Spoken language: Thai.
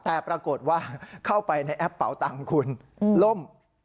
แต่ปรากฏว่าเข้าไปในแอปเป่าตังค์คุณล่ม